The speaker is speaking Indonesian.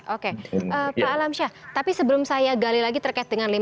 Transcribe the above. oke pak alam syah tapi sebelum saya gali lagi terkait dengan lukisan